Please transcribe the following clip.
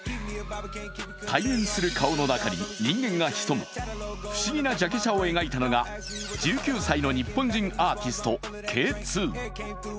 対面する顔の中に人間が潜む不思議なジャケ写を描いたのが日本人アーティストＫ２。